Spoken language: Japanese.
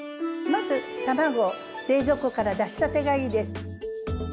まず卵冷蔵庫から出したてがいいです。